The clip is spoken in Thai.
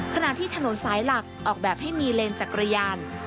ขณะที่ถนนสายหลักออกแบบให้มีเลนจักรยาน